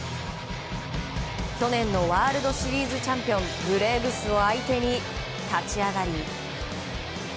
去年のワールドシリーズチャンピオンブレーブスを相手に立ち上がり。